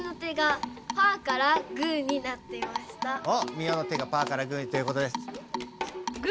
ミオの手がパーからグーということです。